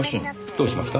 どうしました？